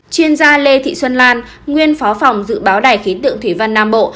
chuyên gia lê thị xuân lan nguyên phó phòng dự báo đài khí tượng thủy văn nam bộ